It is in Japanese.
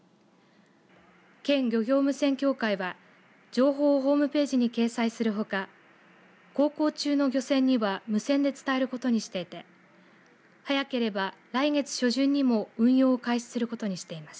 県漁業無線協会は情報をホームページに掲載するほか航行中の漁船には無線で伝えることにしていて早ければ来月初旬にも運用を開始することにしています。